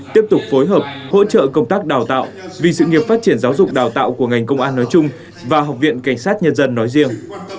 tiếp tục phối hợp hỗ trợ công tác đào tạo vì sự nghiệp phát triển giáo dục đào tạo của ngành công an nói chung và học viện cảnh sát nhân dân nói riêng